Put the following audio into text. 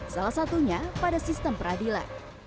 salah satunya pada sistem peradilan